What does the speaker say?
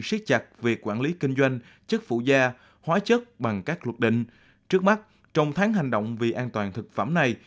siết chặt việc quản lý kinh doanh chất phụ da hóa chất bằng các luật định trước mắt trong tháng hành động vì an toàn thực phẩm này